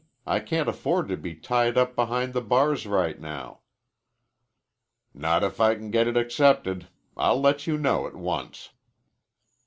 I can't afford to be tied up behind the bars right now." "Not if I can get it accepted. I'll let you know at once."